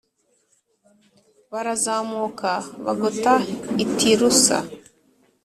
barazamuka bagota i Tirusa